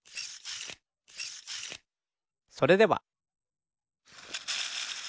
それでは。